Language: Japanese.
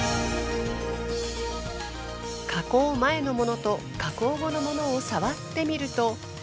加工前のものと加工後のものを触ってみると。